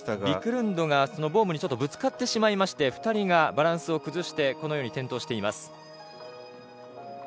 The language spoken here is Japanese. ビクルンドがボームにぶつかってしまいまして２人がバランスを崩して転倒しています。